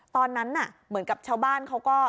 ตอนนั้นน่ะเหมือนกับชาวบ้านเขาก็